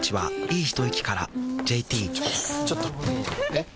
えっ⁉